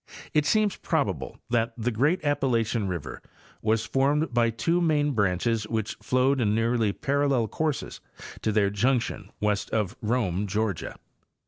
It seems probable that the great Appalachian river was formed by two main branches which flowed in nearly parallel courses to their junction west of Rome, Georgia.